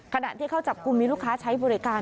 ขณะที่เข้าจับกลุ่มมีลูกค้าใช้บริการ